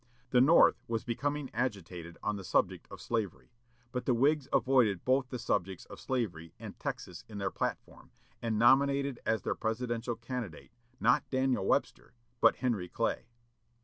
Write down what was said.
The North was becoming agitated on the subject of slavery, but the Whigs avoided both the subjects of slavery and Texas in their platform, and nominated as their presidential candidate not Daniel Webster but Henry Clay.